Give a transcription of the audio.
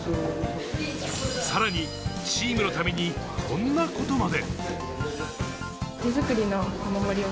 さらに、チームのためにこんなことまで。